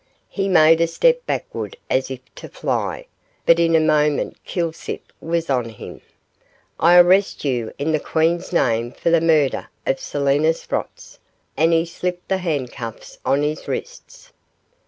He made a step backward as if to fly, but in a moment Kilsip was on him. 'I arrest you in the Queen's name for the murder of Selina Sprotts,' and he slipped the handcuffs on his wrists.